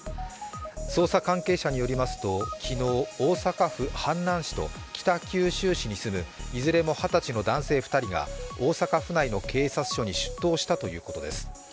捜査関係者によりますと、昨日、大阪府阪南市と北九州市に住む、いずれも二十歳の男性２人が大阪市内の警察署に出頭したということです。